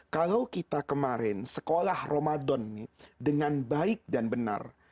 kalau kita kemarin sekolah ramadan ini dengan baik dan benar